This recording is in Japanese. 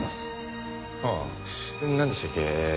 ああなんでしたっけ？